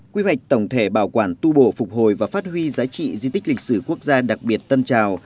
quy hoạch tổng thể bảo quản tu bổ phục hồi và phát huy giá trị di tích lịch sử quốc gia đặc biệt tân trào